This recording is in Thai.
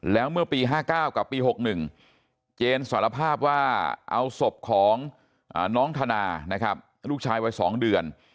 แล้วเมื่อปี๕๙กับปี๖๑เจนสารภาพว่าเอาศพของน้องธนานะครับลูกชายวัย๒เดือน